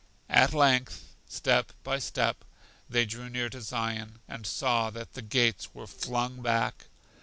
At length, step by step, they drew near to Zion, and saw that the gates were flung back.